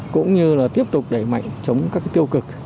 cũng như là tiếp tục đẩy mạnh chống các tiêu cực